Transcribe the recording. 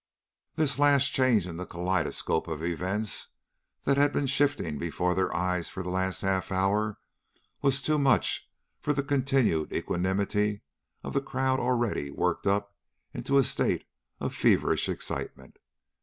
This last change in the kaleidoscope of events, that had been shifting before their eyes for the last half hour, was too much for the continued equanimity of a crowd already worked up into a state of feverish excitement.